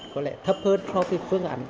có lẽ thấp hơn theo cái phương án